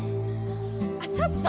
あっちょっと！